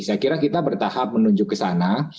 saya kira kita bertahap menuju ke sana